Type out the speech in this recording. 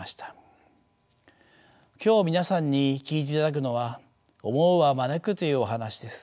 今日皆さんに聞いていただくのは「思うは招く」というお話です。